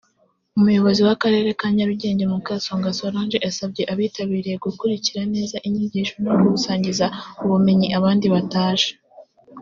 Umuyobozi w’Akarere ka Nyarugenge Mukasonga Solange yasabye abayitabiriye gukurikira neza inyigisho no gusangiza ubumenyi abandi bataje